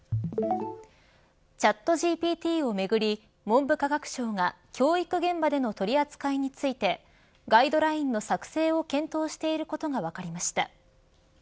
ＣｈａｔＧＰＴをめぐり文部科学省が教育現場での取り扱いについてガイドラインの作成を検討していることが分かりました。